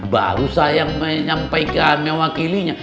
baru saya menyampaikan mewakilinya